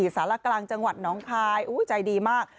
สารกลางจังหวัดน้องคายใจดีมาก